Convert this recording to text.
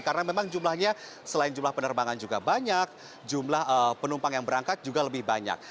karena memang jumlahnya selain jumlah penerbangan juga banyak jumlah penumpang yang berangkat juga lebih banyak